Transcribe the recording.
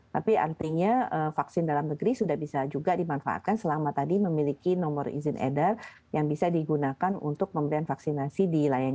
tapi artinya vaksin dalam negeri sudah bisa juga dimanfaatkan selama tadi memiliki nomor izin edar yang bisa digunakan untuk pemberian vaksinasi di layar